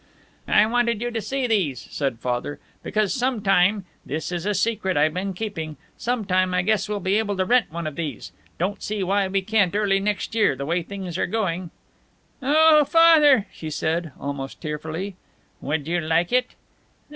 "I wanted you to see these," said Father, "because some time this is a secret I been keeping some time I guess we'll be able to rent one of these! Don't see why we can't early next year, the way things are going!" "Oh, Father!" she said, almost tearfully. "Would you like it?"